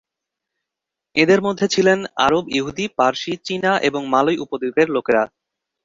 এঁদের মধ্যে ছিলেন আরব, ইহুদি, পারসি, চীনা ও মালয় উপদ্বীপের লোকেরা।